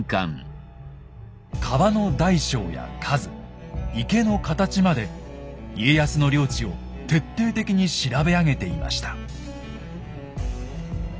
川の大小や数池の形まで家康の領地を徹底的に調べ上げていました。